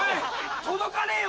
届かねぇよ！